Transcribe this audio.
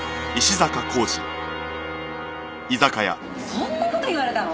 そんな事言われたの！？